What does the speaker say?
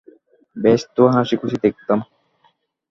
বেশ তো হাসিখুশি দেখতাম।